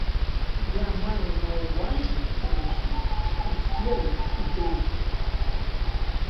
Я маю на ўвазе, канешне, у сферы ідэй.